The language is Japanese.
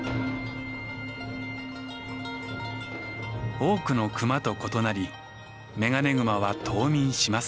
多くのクマと異なりメガネグマは冬眠しません。